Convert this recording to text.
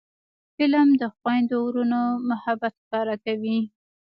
فلم د خویندو ورونو محبت ښکاره کوي